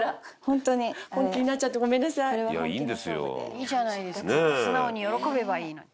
「いいじゃないですか素直に喜べばいいのに」